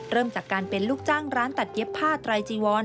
เริ่มจากการเป็นลูกจ้างร้านตัดเย็บผ้าไตรจีวร